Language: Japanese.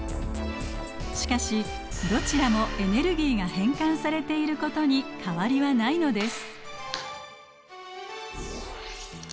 しかしどちらもエネルギーが変換されていることに変わりはないのです。